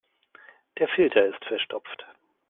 Der Filter ist verstopft.